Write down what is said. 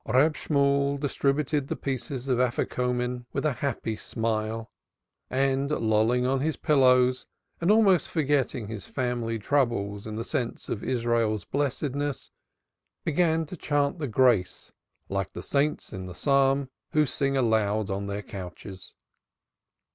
Reb Shemuel distributed the pieces of Afikuman with a happy sigh, and, lolling on his pillows and almost forgetting his family troubles in the sense of Israel's blessedness, began to chant the Grace like the saints in the Psalm who sing aloud on their couches.